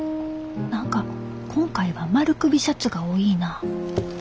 何か今回は丸首シャツが多いなあ。